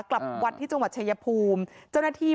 กลับวัดที่จังหวัดเชยภูมิ